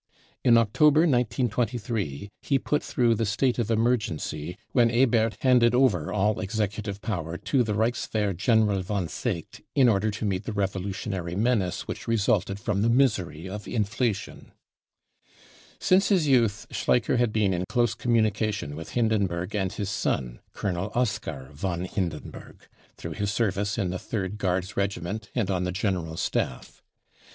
In October 1925 he put through the <c state of emergency," when % Ebert handed over all executive power to the Reichsw r ehr General von Seeckt in order to meet the revolutionary r 44 BROWN BOOK OF THE HITLER TERROR r menace wfcich resulted from the misei*y of inflation. Since his youth Schleicher had been in close communication with r Hindenburg and his son, Colonel Oskar von Hindenburg, through his service in the Third Guards Regiment and on the General Staff.